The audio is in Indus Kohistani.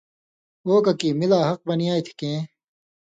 وو ککی می لا حق بنیائ تھی کھیں